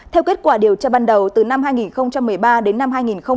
theo kết quả điều tra ban đầu từ năm hai nghìn một mươi ba đến năm hai nghìn một mươi bảy